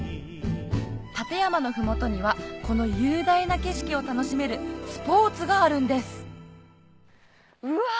立山の麓にはこの雄大な景色を楽しめるスポーツがあるんですうわ